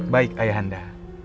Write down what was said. baik ayah anda